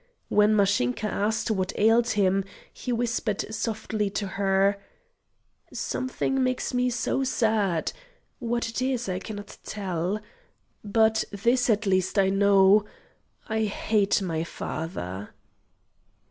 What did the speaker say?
When Mashinka asked what ailed him, he whispered softly to her: "Something makes me so sad what it is I cannot tell. But this at least I know I hate my father!"